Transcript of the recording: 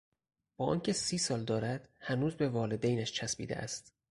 با آنکه سی سال دارد هنوز به والدینش چسبیده است.